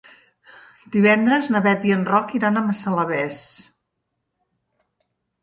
Divendres na Bet i en Roc iran a Massalavés.